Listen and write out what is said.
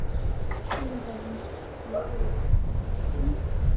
那些采用一个或多个非密封隔膜与被泵送两侧的流体。